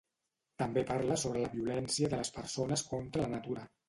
També parla sobre la violència de les persones contra la natura.